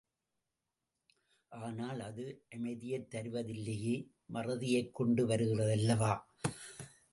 ஆனால், அது அமைதியைத் தருவதில்லையே! மறதியைக் கொண்டு வருகிறதல்லவா?